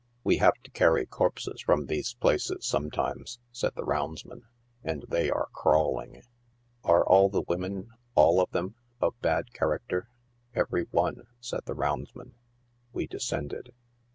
" We have to carry corpses from these places sometimes," said the roundsman, " and they are crawling !"" Are all these women— all of them— of bad character ?"" Every one," said the roundsman. We descended.